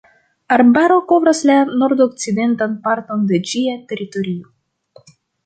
Arbaro kovras la nordokcidentan parton de ĝia teritorio.